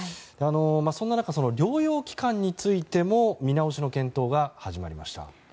そんな中、療養期間についても見直しの検討が始まりました。